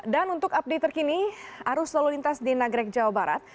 dan untuk update terkini arus lalu lintas di nagrek jawa barat